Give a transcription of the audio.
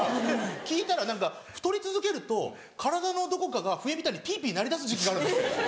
聞いたら何か太り続けると体のどこかが笛みたいにピピ鳴りだす時期があるんですね。